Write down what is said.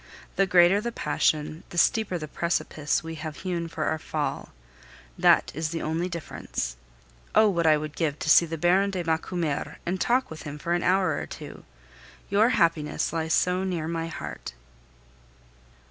The greater the passion, the steeper the precipice we have hewn for our fall that is the only difference. Oh! what I would give to see the Baron de Macumer and talk with him for an hour or two! Your happiness lies so near my heart.